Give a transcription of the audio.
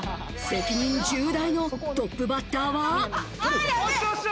責任重大のトップバッターは？